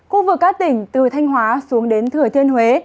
khu vực các tỉnh từ thanh hóa xuống đến thừa thiên huế